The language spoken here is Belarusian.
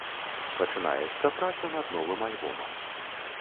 Пачынаецца праца над новым альбомам.